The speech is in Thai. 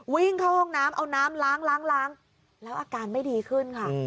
วิ่งเข้าห้องน้ำเอาน้ำล้างล้างแล้วอาการไม่ดีขึ้นค่ะ